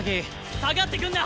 下がってくんな！